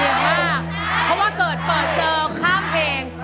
เสี่ยงมากเพราะว่าเกิดเปิดเจอข้ามเพลง